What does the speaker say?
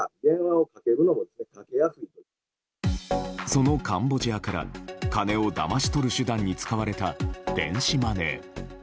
そのカンボジアから金をだまし取る手段に使われた電子マネー。